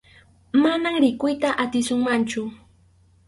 Manam rikuyta atisunmanchu.